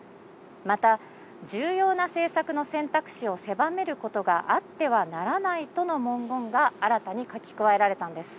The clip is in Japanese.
また、重要な政策の選択肢を狭めることがあってはならないとの文言が、新たに書き加えられたんです。